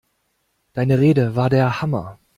Deine Rede war der Hammer!